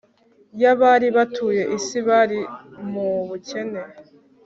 y' abari batuye isi bari mu bukene